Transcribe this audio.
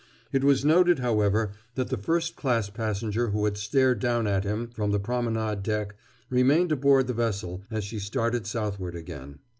It was noted, however, that the first class passenger who had stared down at him from the promenade deck remained aboard the vessel as she started southward again.